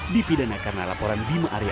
dipidana karena laporan bima arya